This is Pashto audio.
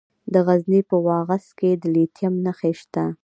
د غزني په واغظ کې د لیتیم نښې شته.